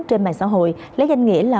trên mạng xã hội lấy danh nghĩa là